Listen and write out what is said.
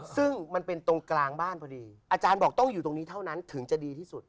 ซึ่งมันเป็นตรงกลางบ้านพอดีอาจารย์บอกต้องอยู่ตรงนี้เท่านั้นถึงจะดีที่สุด